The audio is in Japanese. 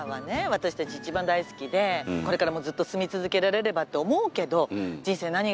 私たち一番大好きでこれからもずっと住み続けられればって思うけど。